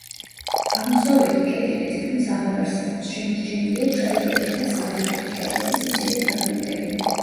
აღმოსავლეთი კედელი თითქმის აღარ არსებობს შემორჩენილია ჩრდილოეთი და სამხრეთი კედლების მცირე ფრაგმენტები.